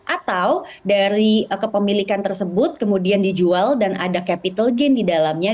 atau dari kepemilikan tersebut kemudian dijual dan ada capital gain di dalamnya